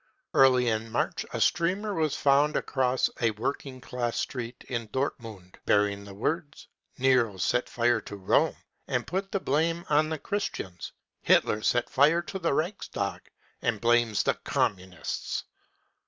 Early in March a streamer was found across a working class street in Dortmund, bearing th£ words : cc Nero set fire to Rome and put the blame on the Christians — Hitler set fire to the Reichstag and blames the Communists